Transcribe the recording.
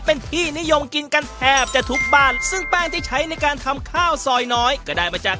เป็นที่นิยมกินกันแทบจะทุกบ้านซึ่งแป้งที่ใช้ในการทำข้าวซอยน้อยก็ได้มาจาก